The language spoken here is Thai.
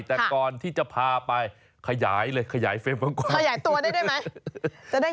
แต่ก่อนที่จะพาไปขยายเลยขยายเฟรมก่อนขยายตัวได้ได้ไหม